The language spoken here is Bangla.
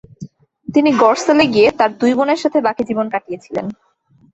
তিনি গর্সেলে গিয়ে তাঁর দুই বোনের সাথে বাকি জীবন কাটিয়ে ছিলেন।